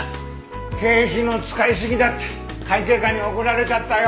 経費の使いすぎだって会計課に怒られちゃったよ。